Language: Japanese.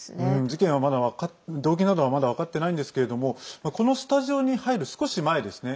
事件の動機などはまだ分かっていないんですけどもこのスタジオに入る少し前ですね。